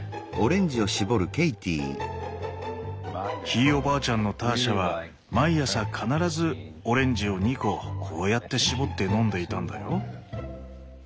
ひいおばあちゃんのターシャは毎朝必ずオレンジを２個こうやって搾って飲んでいたんだよ。